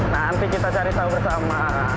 nanti kita cari tahu bersama